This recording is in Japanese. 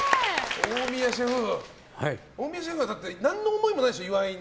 大宮シェフは何の思いもないでしょ、岩井に。